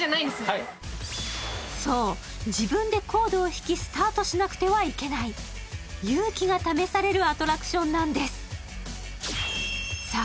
そう自分でコードを引きスタートしなくてはいけない勇気が試されるアトラクションなんですさあ